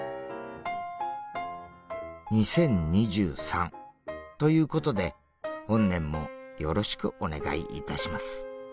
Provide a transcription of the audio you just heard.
「２０２３」。ということで本年もよろしくお願いいたします。